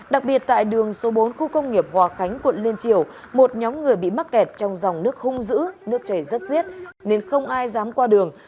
đặc biệt tại đường số bốn khu công nghiệp hòa khánh quận liên triều một nhóm người bị mắc kẹt trong dòng nước hung dữ nước chảy rất riết nên không ai dám qua đường